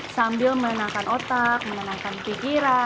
sambil menenangkan otak menenangkan pikiran